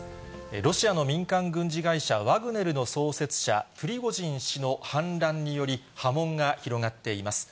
ロシアの民間軍事会社、ワグネルの創設者、プリゴジン氏の反乱により、波紋が広がっています。